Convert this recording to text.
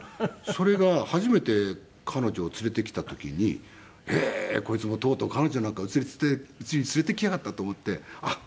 それが初めて彼女を連れてきた時にへえーこいつもとうとう彼女なんか家に連れてきやがったと思って「こんにちは」なんか言って。